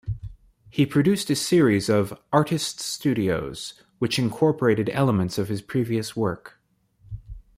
He produced a series of "Artists Studios" which incorporated elements of his previous work.